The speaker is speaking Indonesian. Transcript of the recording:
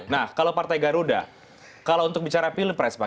nah kalau partai garuda kalau untuk bicara pilpres pak